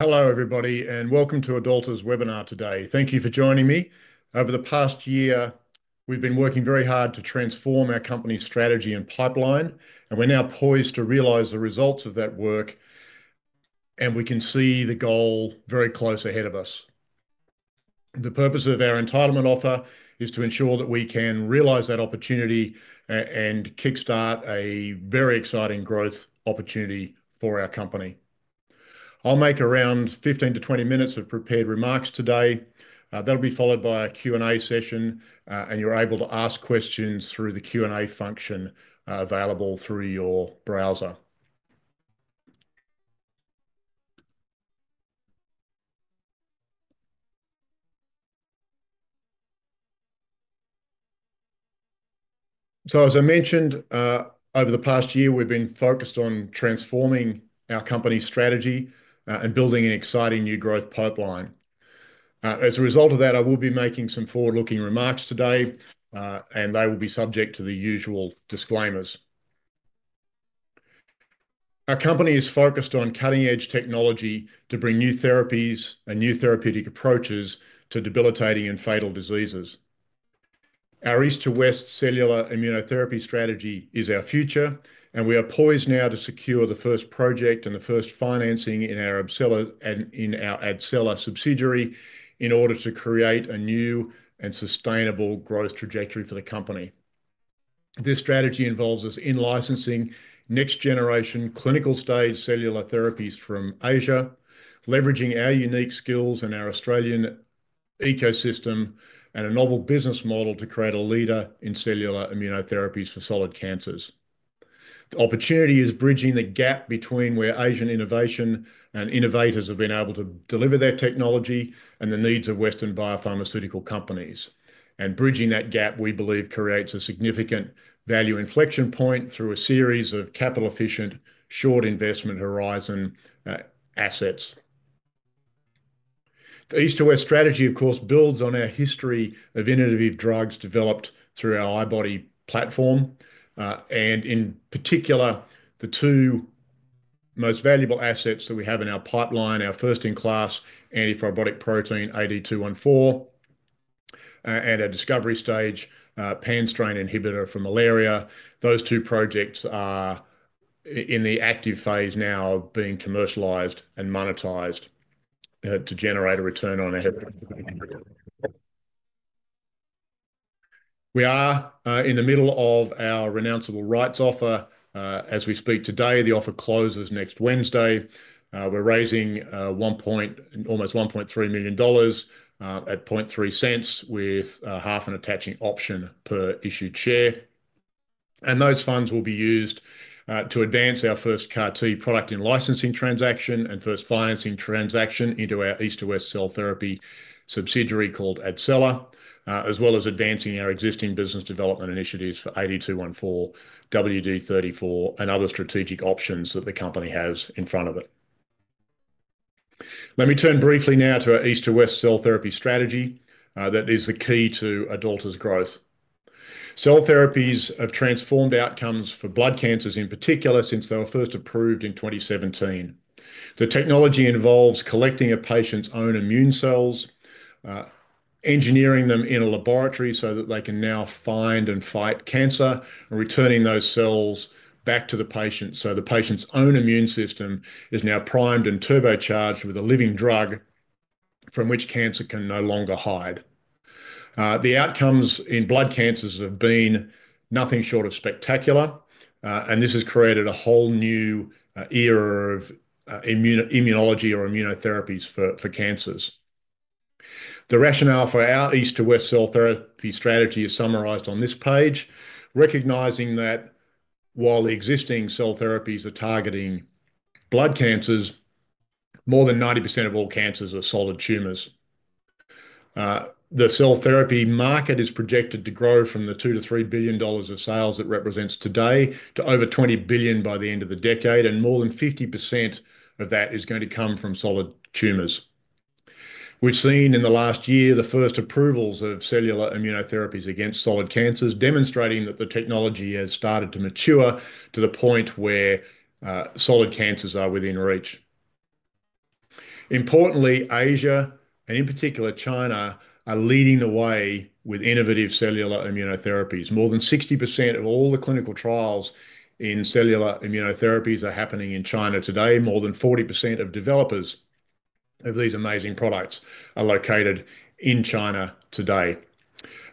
Hello, everybody, and welcome to AdAlta's webinar today. Thank you for joining me. Over the past year, we've been working very hard to transform our company's strategy and pipeline, and we're now poised to realize the results of that work, and we can see the goal very close ahead of us. The purpose of our entitlement offer is to ensure that we can realize that opportunity and kickstart a very exciting growth opportunity for our company. I'll make around 15-20 minutes of prepared remarks today. That'll be followed by a Q&A session, and you're able to ask questions through the Q&A function available through your browser. As I mentioned, over the past year, we've been focused on transforming our company's strategy and building an exciting new growth pipeline. As a result of that, I will be making some forward-looking remarks today, and they will be subject to the usual disclaimers. Our company is focused on cutting-edge technology to bring new therapies and new therapeutic approaches to debilitating and fatal diseases. Our east-to-west cellular immunotherapy strategy is our future, and we are poised now to secure the first project and the first financing in our AdCella subsidiary in order to create a new and sustainable growth trajectory for the company. This strategy involves us in licensing next-generation clinical-stage cellular therapies from Asia, leveraging our unique skills and our Australian ecosystem, and a novel business model to create a leader in cellular immunotherapies for solid cancers. The opportunity is bridging the gap between where Asian innovation and innovators have been able to deliver their technology and the needs of Western biopharmaceutical companies. Bridging that gap, we believe, creates a significant value inflection point through a series of capital-efficient, short-investment horizon assets. The east-to-west strategy, of course, builds on our history of innovative drugs developed through our i-body platform, and in particular, the two most valuable assets that we have in our pipeline: our first-in-class antifibrotic protein, AD-214, and our discovery stage pan-strain inhibitor for malaria. Those two projects are in the active phase now of being commercialized and monetized to generate a return on investment. We are in the middle of our renounceable rights offer. As we speak today, the offer closes next Wednesday. We are raising almost 1.3 million dollars at 0.003 with half an attaching option per issued share. Those funds will be used to advance our first CAR-T product in licensing transaction and first financing transaction into our east-to-west cell therapy subsidiary called AdCella, as well as advancing our existing business development initiatives for AD-214, WD-34, and other strategic options that the company has in front of it. Let me turn briefly now to our east-to-west cell therapy strategy that is the key to AdAlta's growth. Cell therapies have transformed outcomes for blood cancers in particular since they were first approved in 2017. The technology involves collecting a patient's own immune cells, engineering them in a laboratory so that they can now find and fight cancer, and returning those cells back to the patient so the patient's own immune system is now primed and turbocharged with a living drug from which cancer can no longer hide. The outcomes in blood cancers have been nothing short of spectacular, and this has created a whole new era of immunology or immunotherapies for cancers. The rationale for our east-to-west cell therapy strategy is summarized on this page, recognizing that while existing cell therapies are targeting blood cancers, more than 90% of all cancers are solid tumors. The cell therapy market is projected to grow from the 2-3 billion dollars of sales it represents today to over 20 billion by the end of the decade, and more than 50% of that is going to come from solid tumors. We've seen in the last year the first approvals of cellular immunotherapies against solid cancers, demonstrating that the technology has started to mature to the point where solid cancers are within reach. Importantly, Asia, and in particular China, are leading the way with innovative cellular immunotherapies. More than 60% of all the clinical trials in cellular immunotherapies are happening in China today. More than 40% of developers of these amazing products are located in China today.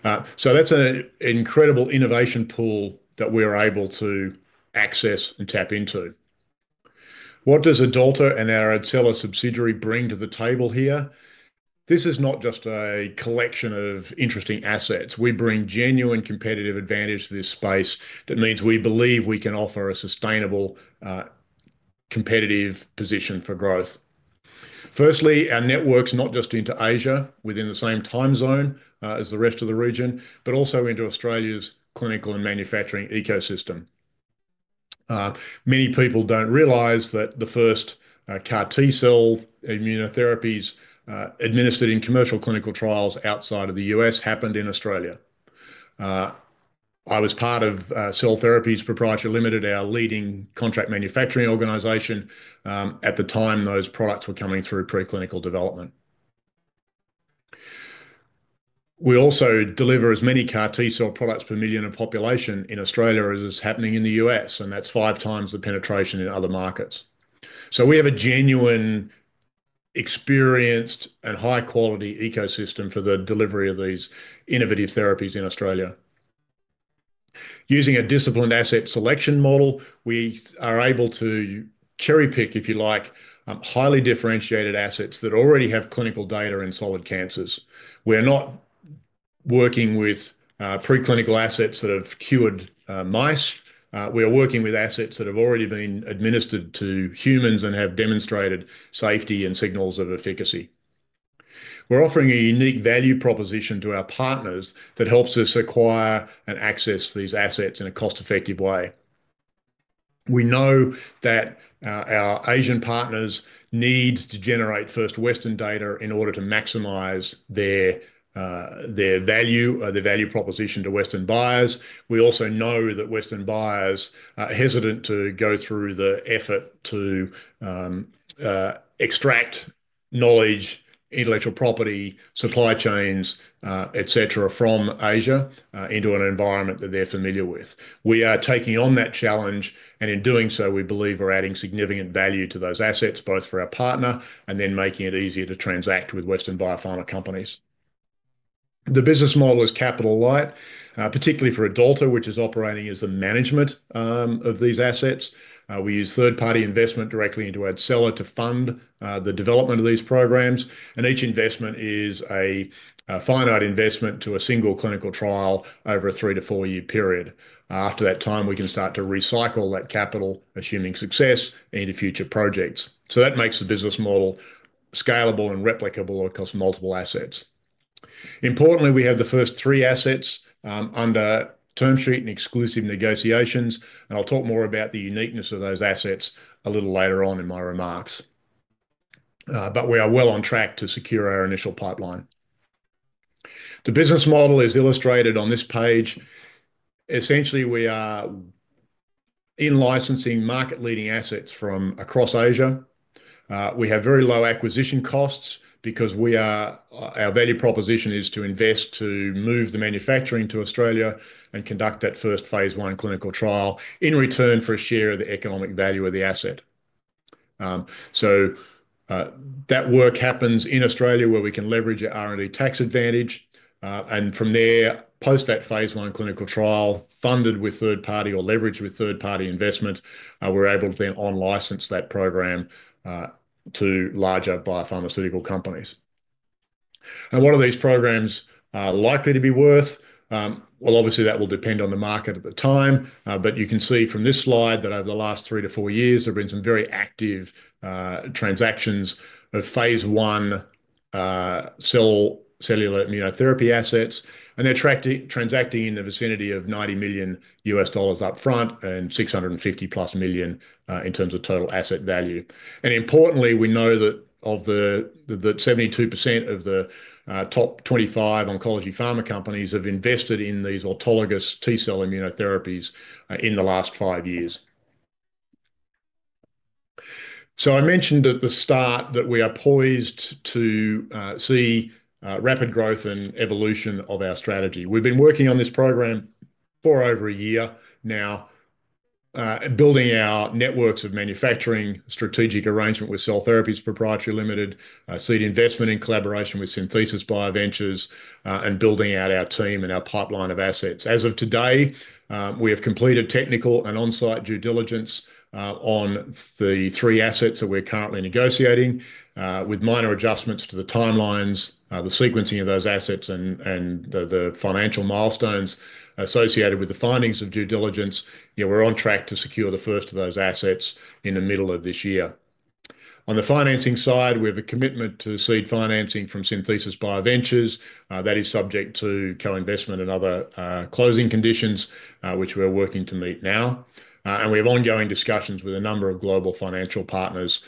That is an incredible innovation pool that we are able to access and tap into. What does AdAlta and our AdCella subsidiary bring to the table here? This is not just a collection of interesting assets. We bring genuine competitive advantage to this space. That means we believe we can offer a sustainable competitive position for growth. Firstly, our network is not just into Asia within the same time zone as the rest of the region, but also into Australia's clinical and manufacturing ecosystem. Many people do not realize that the first CAR-T cell immunotherapies administered in commercial clinical trials outside of the U.S. happened in Australia. I was part of Cell Therapies Pty Ltd, our leading contract manufacturing organization at the time those products were coming through preclinical development. We also deliver as many CAR-T cell products per million of population in Australia as is happening in the U.S., and that's five times the penetration in other markets. We have a genuine, experienced, and high-quality ecosystem for the delivery of these innovative therapies in Australia. Using a disciplined asset selection model, we are able to cherry-pick, if you like, highly differentiated assets that already have clinical data in solid cancers. We are not working with preclinical assets that have cured mice. We are working with assets that have already been administered to humans and have demonstrated safety and signals of efficacy. We're offering a unique value proposition to our partners that helps us acquire and access these assets in a cost-effective way. We know that our Asian partners need to generate first Western data in order to maximize their value or their value proposition to Western buyers. We also know that Western buyers are hesitant to go through the effort to extract knowledge, intellectual property, supply chains, etc., from Asia into an environment that they're familiar with. We are taking on that challenge, and in doing so, we believe we're adding significant value to those assets, both for our partner and then making it easier to transact with Western biopharma companies. The business model is capital light, particularly for AdAlta, which is operating as the management of these assets. We use third-party investment directly into AdCella to fund the development of these programs, and each investment is a finite investment to a single clinical trial over a three-to-four-year period. After that time, we can start to recycle that capital, assuming success into future projects. That makes the business model scalable and replicable across multiple assets. Importantly, we have the first three assets under term sheet and exclusive negotiations, and I'll talk more about the uniqueness of those assets a little later on in my remarks. We are well on track to secure our initial pipeline. The business model is illustrated on this page. Essentially, we are in licensing market-leading assets from across Asia. We have very low acquisition costs because our value proposition is to invest to move the manufacturing to Australia and conduct that first phase I clinical trial in return for a share of the economic value of the asset. That work happens in Australia, where we can leverage our R&D tax advantage, and from there, post that phase I clinical trial, funded with third-party or leveraged with third-party investment, we're able to then on-license that program to larger biopharmaceutical companies. What are these programs likely to be worth? Obviously, that will depend on the market at the time, but you can see from this slide that over the last three to four years, there have been some very active transactions of phase I cellular immunotherapy assets, and they're transacting in the vicinity of $90 million upfront and +$650 million in terms of total asset value. Importantly, we know that 72% of the top 25 oncology pharma companies have invested in these autologous T cell immunotherapies in the last five years. I mentioned at the start that we are poised to see rapid growth and evolution of our strategy. We've been working on this program for over a year now, building our networks of manufacturing, strategic arrangement with Cell Therapies Pty Ltd, seed investment in collaboration with SYNthesis BioVentures, and building out our team and our pipeline of assets. As of today, we have completed technical and on-site due diligence on the three assets that we're currently negotiating, with minor adjustments to the timelines, the sequencing of those assets, and the financial milestones associated with the findings of due diligence. We're on track to secure the first of those assets in the middle of this year. On the financing side, we have a commitment to seed financing from SYNthesis BioVentures. That is subject to co-investment and other closing conditions, which we're working to meet now. We have ongoing discussions with a number of global financial partners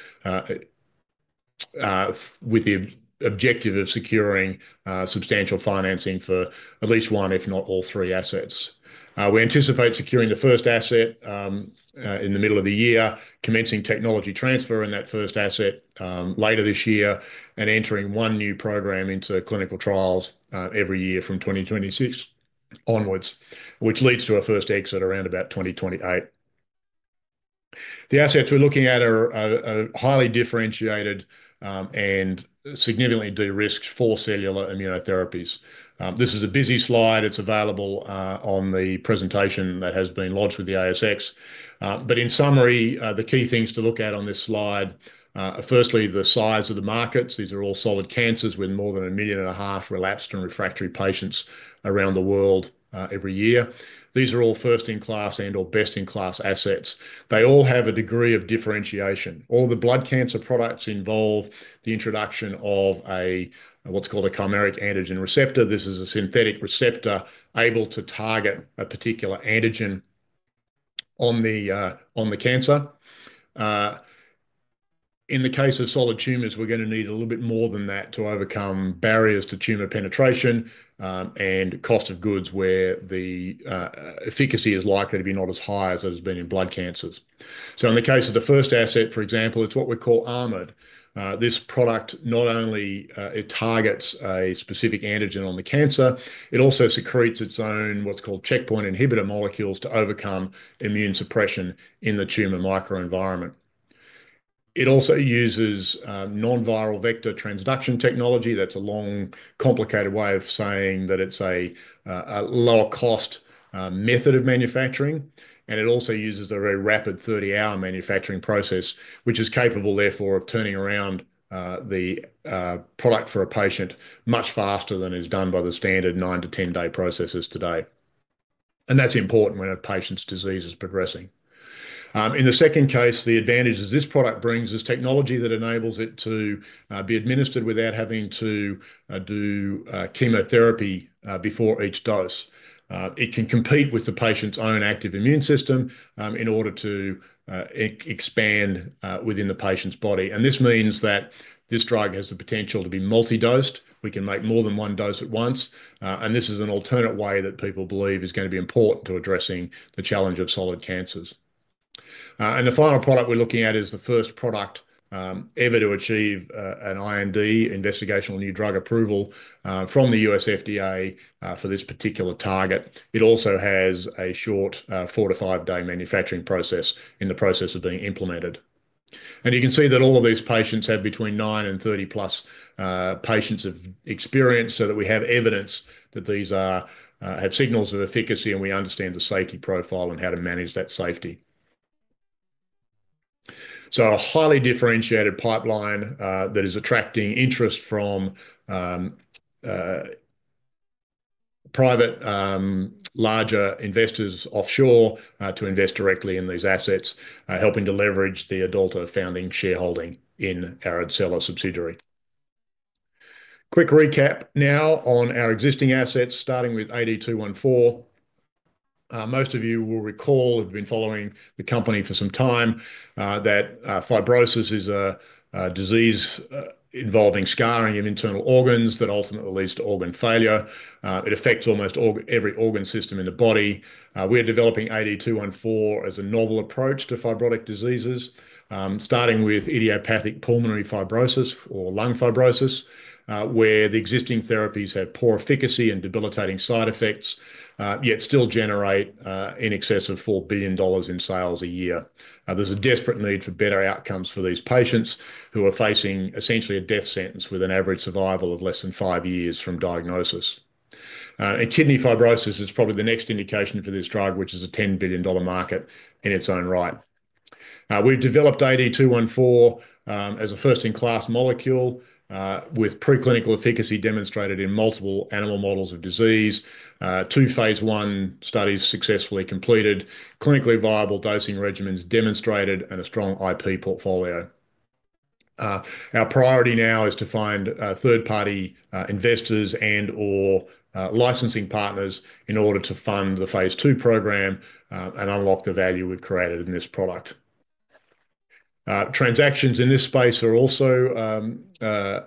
with the objective of securing substantial financing for at least one, if not all three assets. We anticipate securing the first asset in the middle of the year, commencing technology transfer in that first asset later this year, and entering one new program into clinical trials every year from 2026 onwards, which leads to a first exit around about 2028. The assets we're looking at are highly differentiated and significantly de-risked for cellular immunotherapies. This is a busy slide. It's available on the presentation that has been lodged with the ASX. In summary, the key things to look at on this slide are firstly, the size of the markets. These are all solid cancers with more than 1.5 million relapsed and refractory patients around the world every year. These are all first-in-class and/or best-in-class assets. They all have a degree of differentiation. All the blood cancer products involve the introduction of what's called a chimeric antigen receptor. This is a synthetic receptor able to target a particular antigen on the cancer. In the case of solid tumors, we're going to need a little bit more than that to overcome barriers to tumor penetration and cost of goods where the efficacy is likely to be not as high as it has been in blood cancers. In the case of the first asset, for example, it's what we call ARMOD. This product not only targets a specific antigen on the cancer, it also secretes its own what's called checkpoint inhibitor molecules to overcome immune suppression in the tumor microenvironment. It also uses non-viral vector transduction technology. That's a long, complicated way of saying that it's a lower-cost method of manufacturing. It also uses a very rapid 30-hour manufacturing process, which is capable, therefore, of turning around the product for a patient much faster than is done by the standard 9-10 day processes today. That's important when a patient's disease is progressing. In the second case, the advantages this product brings is technology that enables it to be administered without having to do chemotherapy before each dose. It can compete with the patient's own active immune system in order to expand within the patient's body. This means that this drug has the potential to be multi-dosed. We can make more than one dose at once. This is an alternate way that people believe is going to be important to addressing the challenge of solid cancers. The final product we're looking at is the first product ever to achieve an IND, investigational new drug approval, from the U.S. FDA for this particular target. It also has a short four to five day manufacturing process in the process of being implemented. You can see that all of these patients have between 9 and +30 patients of experience so that we have evidence that these have signals of efficacy and we understand the safety profile and how to manage that safety. A highly differentiated pipeline that is attracting interest from private larger investors offshore to invest directly in these assets, helping to leverage the AdAlta founding shareholding in our AdCella subsidiary. Quick recap now on our existing assets, starting with AD-214. Most of you will recall, have been following the company for some time, that fibrosis is a disease involving scarring of internal organs that ultimately leads to organ failure. It affects almost every organ system in the body. We are developing AD-214 as a novel approach to fibrotic diseases, starting with idiopathic pulmonary fibrosis or lung fibrosis, where the existing therapies have poor efficacy and debilitating side effects, yet still generate in excess of 4 billion dollars in sales a year. There's a desperate need for better outcomes for these patients who are facing essentially a death sentence with an average survival of less than five years from diagnosis. Kidney fibrosis is probably the next indication for this drug, which is a 10 billion dollar market in its own right. We've developed AD-214 as a first-in-class molecule with preclinical efficacy demonstrated in multiple animal models of disease, two phase I studies successfully completed, clinically viable dosing regimens demonstrated, and a strong IP portfolio. Our priority now is to find third-party investors and/or licensing partners in order to fund the phase II program and unlock the value we've created in this product. Transactions in this space are also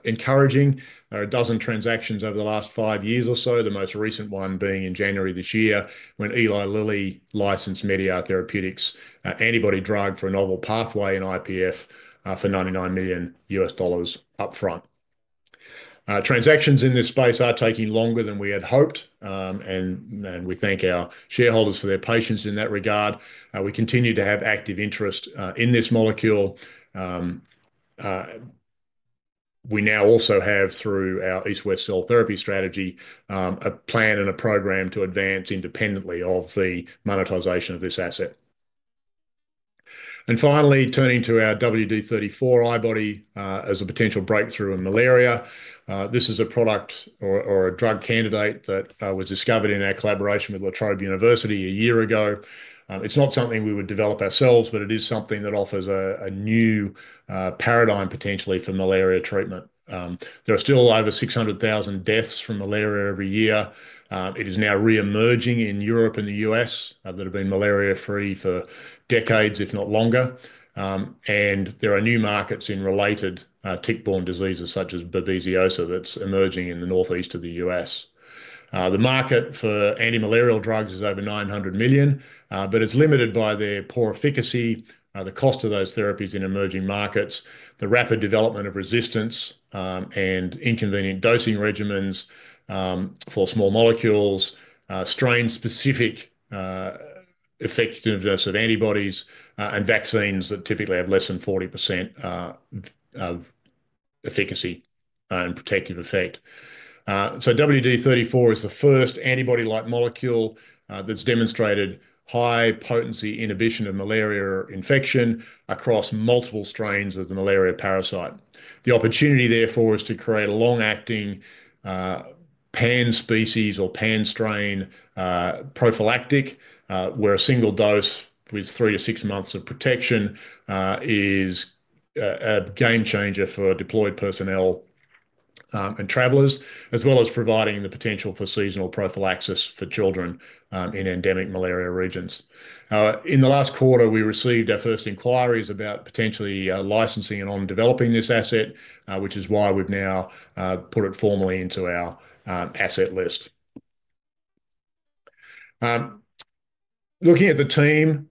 encouraging. There are a dozen transactions over the last five years or so, the most recent one being in January this year when Eli Lilly licensed Media Therapeutics' antibody drug for a novel pathway in IPF for $99 million upfront. Transactions in this space are taking longer than we had hoped, and we thank our shareholders for their patience in that regard. We continue to have active interest in this molecule. We now also have, through our East-to-West cellular immunotherapy strategy, a plan and a program to advance independently of the monetization of this asset. Finally, turning to our WD-34 i-body as a potential breakthrough in malaria. This is a product or a drug candidate that was discovered in our collaboration with La Trobe University a year ago. It is not something we would develop ourselves, but it is something that offers a new paradigm potentially for malaria treatment. There are still over 600,000 deaths from malaria every year. It is now re-emerging in Europe and the U.S. that have been malaria-free for decades, if not longer. There are new markets in related tick-borne diseases such as babesiosis that is emerging in the northeast of the U.S. The market for anti-malarial drugs is over 900 million, but it's limited by their poor efficacy, the cost of those therapies in emerging markets, the rapid development of resistance, and inconvenient dosing regimens for small molecules, strain-specific effectiveness of antibodies, and vaccines that typically have less than 40% of efficacy and protective effect. WD-34 is the first antibody-like molecule that's demonstrated high-potency inhibition of malaria infection across multiple strains of the malaria parasite. The opportunity, therefore, is to create a long-acting pan-species or pan-strain prophylactic, where a single dose with three to six months of protection is a game changer for deployed personnel and travelers, as well as providing the potential for seasonal prophylaxis for children in endemic malaria regions. In the last quarter, we received our first inquiries about potentially licensing and on-developing this asset, which is why we've now put it formally into our asset list. Looking at the team,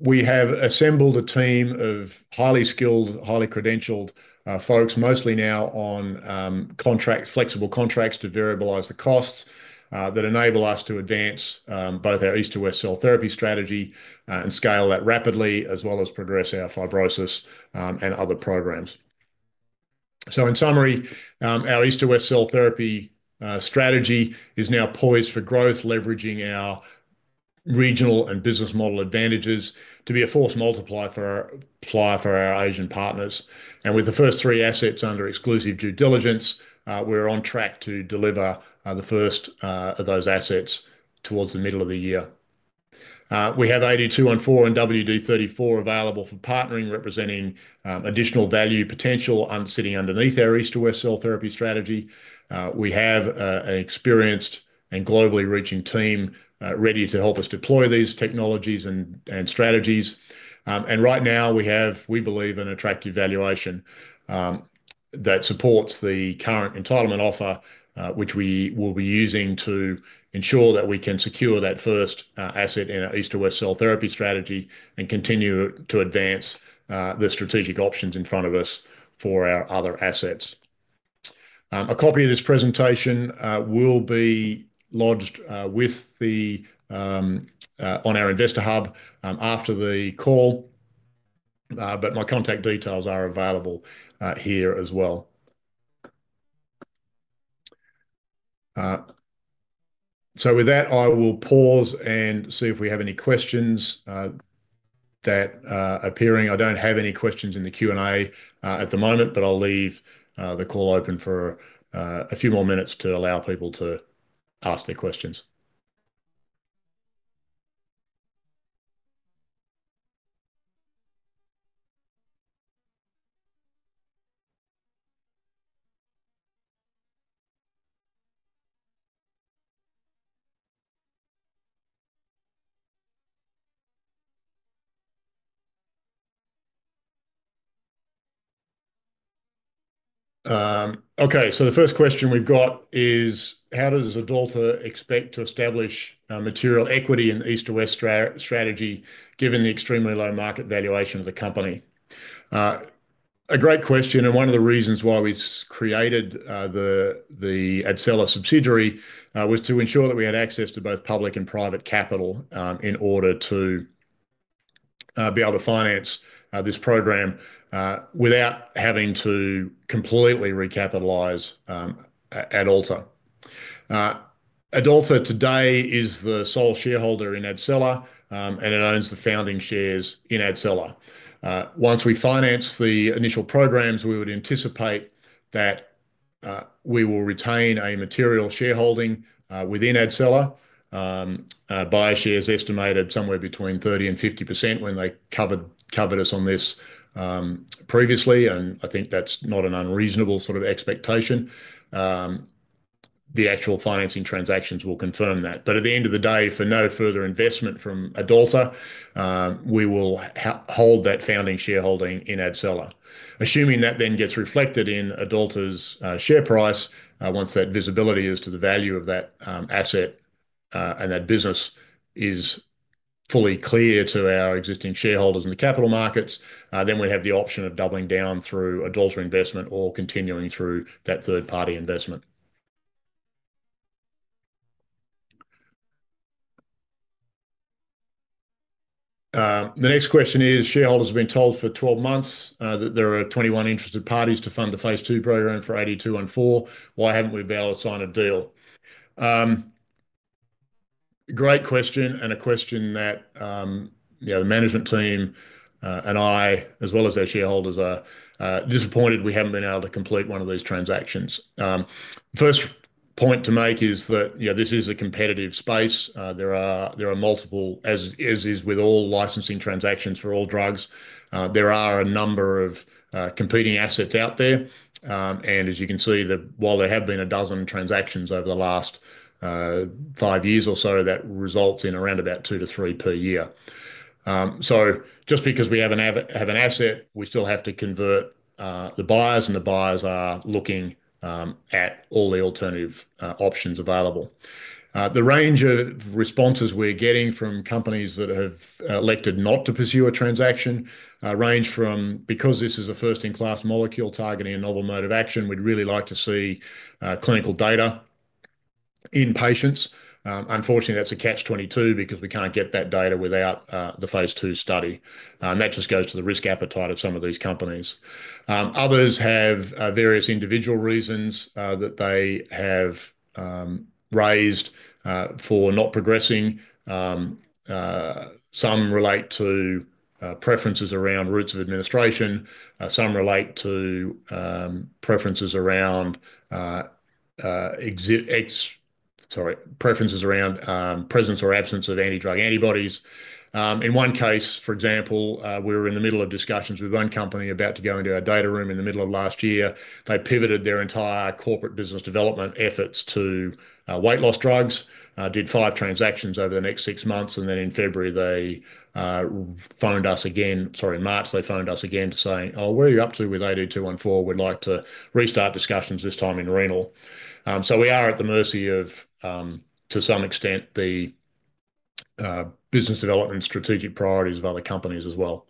we have assembled a team of highly skilled, highly credentialed folks, mostly now on flexible contracts to variabilise the costs that enable us to advance both our East-to-West Cell Therapy strategy and scale that rapidly, as well as progress our fibrosis and other programs. In summary, our East-to-West Cell Therapy strategy is now poised for growth, leveraging our regional and business model advantages to be a force multiplier for our Asian partners. With the first three assets under exclusive due diligence, we're on track to deliver the first of those assets towards the middle of the year. We have AD-214 and WD-34 available for partnering, representing additional value potential sitting underneath our East-to-West Cell Therapy strategy. We have an experienced and globally reaching team ready to help us deploy these technologies and strategies. Right now, we believe in attractive valuation that supports the current entitlement offer, which we will be using to ensure that we can secure that first asset in our East-to-West Cell Therapy strategy and continue to advance the strategic options in front of us for our other assets. A copy of this presentation will be lodged on our Investor Hub after the call, but my contact details are available here as well. With that, I will pause and see if we have any questions that are appearing. I do not have any questions in the Q&A at the moment, but I will leave the call open for a few more minutes to allow people to ask their questions. Okay. The first question we've got is, how does AdAlta expect to establish material equity in the East West strategy given the extremely low market valuation of the company? A great question. One of the reasons why we created the AdCella subsidiary was to ensure that we had access to both public and private capital in order to be able to finance this program without having to completely recapitalize AdAlta. AdAlta today is the sole shareholder in AdCella, and it owns the founding shares in AdCella. Once we finance the initial programs, we would anticipate that we will retain a material shareholding within AdCella by shares estimated somewhere between 30%-50% when they covered us on this previously. I think that's not an unreasonable sort of expectation. The actual financing transactions will confirm that. At the end of the day, for no further investment from AdAlta, we will hold that founding shareholding in AdCella. Assuming that then gets reflected in AdAlta's share price, once that visibility is to the value of that asset and that business is fully clear to our existing shareholders in the capital markets, we have the option of doubling down through AdAlta investment or continuing through that third-party investment. The next question is, shareholders have been told for 12 months that there are 21 interested parties to fund the phase II program for AD-214. Why haven't we been able to sign a deal? Great question and a question that the management team and I, as well as our shareholders, are disappointed we haven't been able to complete one of these transactions. The first point to make is that this is a competitive space. There are multiple, as is with all licensing transactions for all drugs. There are a number of competing assets out there. As you can see, while there have been a dozen transactions over the last five years or so, that results in around about two to three per year. Just because we have an asset, we still have to convert the buyers, and the buyers are looking at all the alternative options available. The range of responses we're getting from companies that have elected not to pursue a transaction range from, because this is a first-in-class molecule targeting a novel mode of action, we'd really like to see clinical data in patients. Unfortunately, that's a catch-22 because we can't get that data without the phase II study. That just goes to the risk appetite of some of these companies. Others have various individual reasons that they have raised for not progressing. Some relate to preferences around routes of administration. Some relate to preferences around presence or absence of antidrug antibodies. In one case, for example, we were in the middle of discussions with one company about to go into our data room in the middle of last year. They pivoted their entire corporate business development efforts to weight loss drugs, did five transactions over the next six months, and then in February, they phoned us again, sorry, in March, they phoned us again to say, "Oh, what are you up to with AD-214? We'd like to restart discussions this time in renal." We are at the mercy of, to some extent, the business development strategic priorities of other companies as well.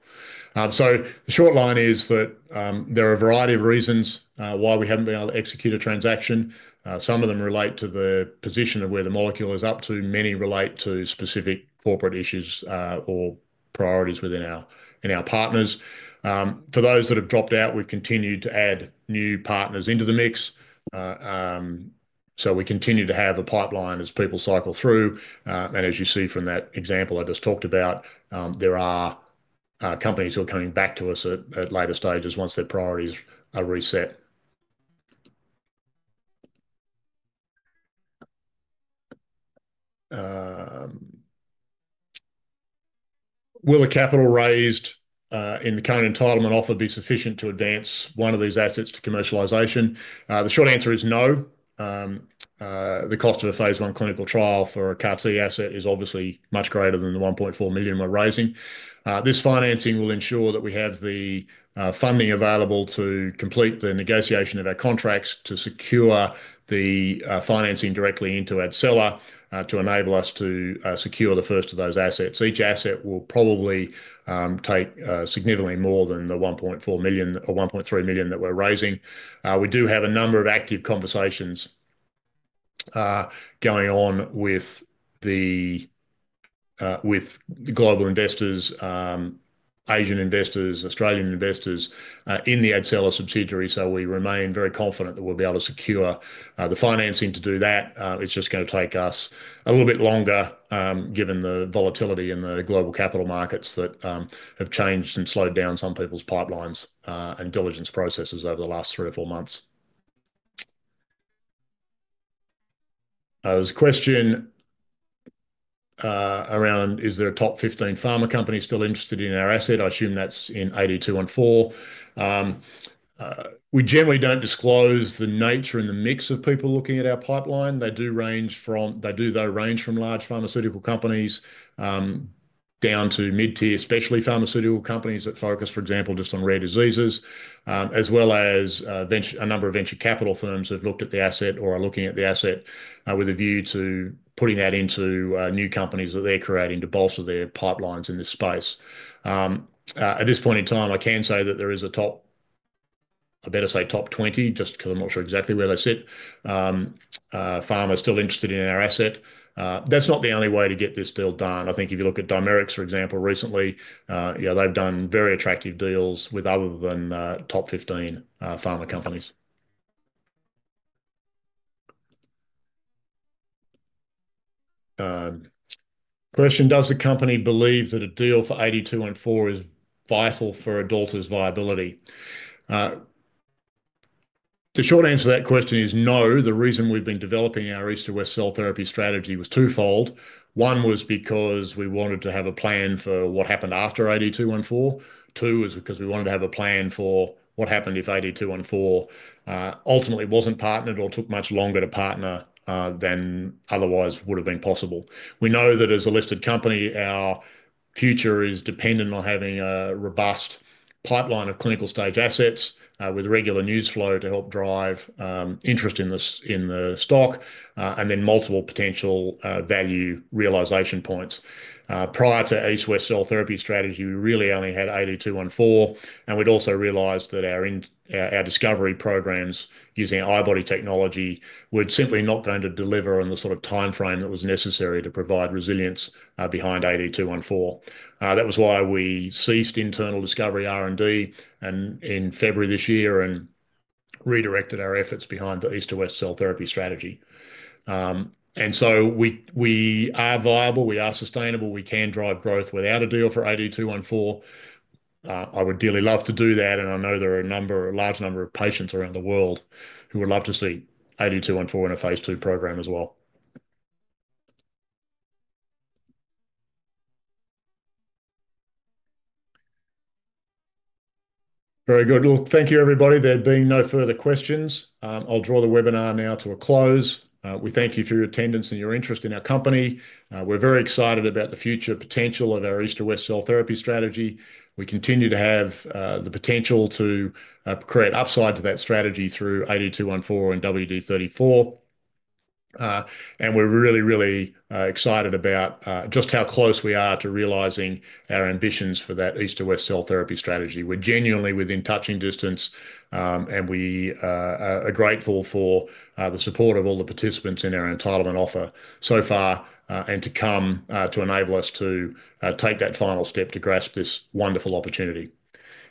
The short line is that there are a variety of reasons why we haven't been able to execute a transaction. Some of them relate to the position of where the molecule is up to. Many relate to specific corporate issues or priorities within our partners. For those that have dropped out, we've continued to add new partners into the mix. We continue to have a pipeline as people cycle through. As you see from that example I just talked about, there are companies who are coming back to us at later stages once their priorities are reset. Will a capital raised in the current entitlement offer be sufficient to advance one of these assets to commercialization? The short answer is no. The cost of a phase I clinical trial for a CAR-T asset is obviously much greater than the 1.4 million we're raising. This financing will ensure that we have the funding available to complete the negotiation of our contracts to secure the financing directly into AdCella to enable us to secure the first of those assets. Each asset will probably take significantly more than 1.4 million or 1.3 million that we're raising. We do have a number of active conversations going on with the global investors, Asian investors, Australian investors in the AdCella subsidiary. We remain very confident that we'll be able to secure the financing to do that. It's just going to take us a little bit longer given the volatility in the global capital markets that have changed and slowed down some people's pipelines and diligence processes over the last three or four months. There's a question around, is there a top 15 pharma company still interested in our asset? I assume that's in AD-214. We generally don't disclose the nature and the mix of people looking at our pipeline. They do, though, range from large pharmaceutical companies down to mid-tier specialty pharmaceutical companies that focus, for example, just on rare diseases, as well as a number of venture capital firms that have looked at the asset or are looking at the asset with a view to putting that into new companies that they're creating to bolster their pipelines in this space. At this point in time, I can say that there is a top, I better say top 20, just because I'm not sure exactly where they sit, pharma still interested in our asset. That's not the only way to get this deal done. I think if you look at Dimerix, for example, recently, they've done very attractive deals with other than top 15 pharma companies. Question, does the company believe that a deal for AD-214 is vital for AdAlta's viability? The short answer to that question is no. The reason we've been developing our East-to-West Cell Therapy strategy was twofold. One was because we wanted to have a plan for what happened after AD-214. Two was because we wanted to have a plan for what happened if AD-214 ultimately wasn't partnered or took much longer to partner than otherwise would have been possible. We know that as a listed company, our future is dependent on having a robust pipeline of clinical stage assets with regular news flow to help drive interest in the stock and then multiple potential value realisation points. Prior to East-to-West Cell Therapy strategy, we really only had AD-214. We had also realized that our discovery programs using i-body technology were simply not going to deliver in the sort of timeframe that was necessary to provide resilience behind AD-214. That was why we ceased internal discovery R&D in February this year and redirected our efforts behind the East-to-West cellular immunotherapy strategy. We are viable. We are sustainable. We can drive growth without a deal for AD-214. I would dearly love to do that. I know there are a large number of patients around the world who would love to see AD-214 in a phase II program as well. Very good. Thank you, everybody. There being no further questions, I will draw the webinar now to a close. We thank you for your attendance and your interest in our company. We are very excited about the future potential of our East-to-West cellular immunotherapy strategy. We continue to have the potential to create upside to that strategy through AD-214 and WD-34. We are really, really excited about just how close we are to realizing our ambitions for that East-to-West Cell Therapy strategy. We are genuinely within touching distance. We are grateful for the support of all the participants in our entitlement offer so far and to come to enable us to take that final step to grasp this wonderful opportunity.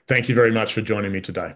Thank you very much for joining me today.